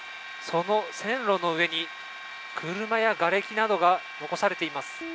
その線路の上に車やがれきなどが残されています。